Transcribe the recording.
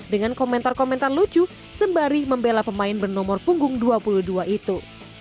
dengan komentar komentar lucu sembari membela pemain bernomor punggung dua puluh dua itu